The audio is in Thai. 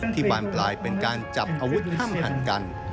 บานปลายเป็นการจับอาวุธห้ามหันกัน